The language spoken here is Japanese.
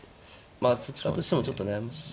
まあそちらとしてもちょっと悩ましいですね。